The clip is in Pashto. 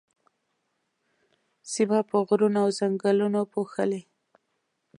سيمه پر غرونو او ځنګلونو پوښلې.